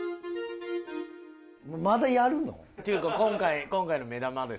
まだやるの？っていうか今回の目玉ですね。